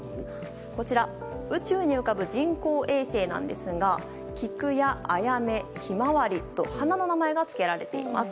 こちら、宇宙に浮かぶ人工衛星なんですが、きくやあやめ、ひまわりと、花の名前が付けられています。